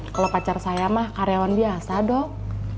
kalau pacar saya mah karyawan biasa dong